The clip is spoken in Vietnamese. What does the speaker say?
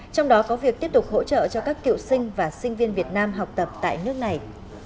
trong đó có việc tiếp tục hỗ trợ cho các cựu sinh và sinh viên việt nam học tập tại nước này